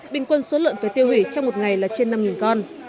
bình quân số lợn phải tiêu hủy trong một ngày là trên năm con